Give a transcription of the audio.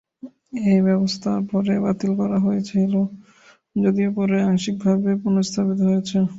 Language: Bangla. এই ব্যবস্থা পরে বাতিল করা হয়েছিল, যদিও পরে আংশিকভাবে পুনর্স্থাপিত হয়েছে।